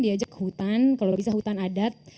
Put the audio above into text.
diajak ke hutan kalau bisa hutan adat